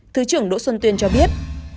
thứ trưởng đỗ xuân tuyên cho biết